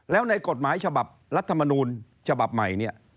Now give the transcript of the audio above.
แล้วในกฎหมายฉบับรัฐมนูลฉบับใหม่เนี่ย